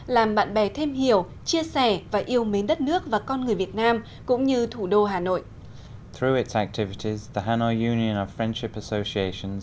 làm bạn bè thêm hiểu chia sẻ và yêu mến đất nước và con người việt nam cũng như thủ đô hà nội